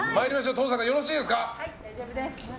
登坂さん、よろしいですか？